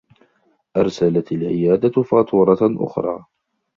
أرسلت العيادة فاتورة أخرى.